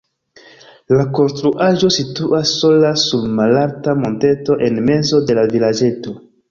La konstruaĵo situas sola sur malalta monteto en mezo de la vilaĝeto.